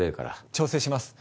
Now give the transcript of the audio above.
調整します。